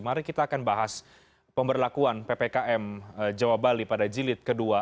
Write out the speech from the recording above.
mari kita akan bahas pemberlakuan ppkm jawa bali pada jilid kedua